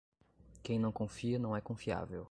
Quem não confia não é confiável.